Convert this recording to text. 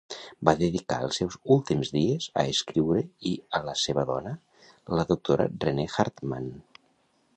Va dedicar els seus últims dies a escriure i a la seva dona, la doctora Renee Hartmann.